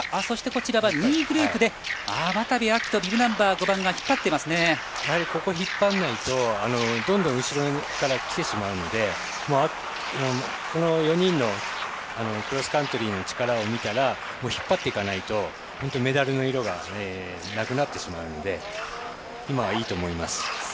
そして２位グループでビブナンバー５番の渡部暁斗がここ引っ張らないとどんどん後ろから来てしまうのでこの４人のクロスカントリーの力を見たら引っ張っていかないとメダルの色がなくなってしまうので今、いいと思いますよ。